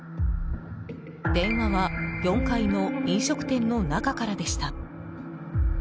電話は４階の飲食店の中からでした。